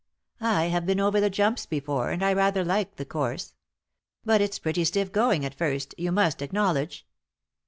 I have been over the jumps before, and I rather like the course. But it's pretty stiff going at first, you must acknowledge."